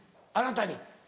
あなたに。